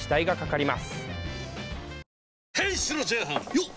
よっ！